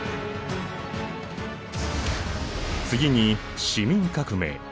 次に市民革命。